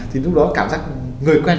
thì lúc đó cảm giác người quen